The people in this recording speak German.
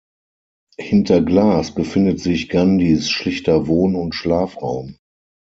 Hinter Glas befindet sich Gandhis schlichter Wohn- und Schlafraum.